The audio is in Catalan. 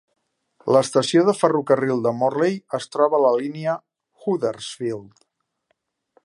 L'estació de ferrocarril de Morley es troba a la línia Huddersfield.